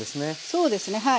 そうですねはい。